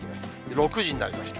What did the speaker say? ６時になりました。